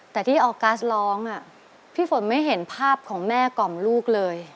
แต่ที่ออกัสร้องพี่ฝนไม่เห็นภาพของแม่กล่อมลูกเลย